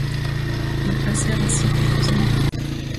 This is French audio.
Ils passèrent ainsi quelques années.